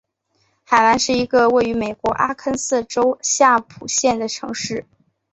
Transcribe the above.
海兰是一个位于美国阿肯色州夏普县的城市。